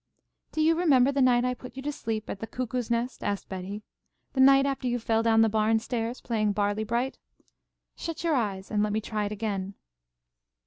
"Do you remember the night I put you to sleep at the Cuckoo's Nest?" asked Betty. "The night after you fell down the barn stairs, playing barley bright? Shut your eyes and let me try it again."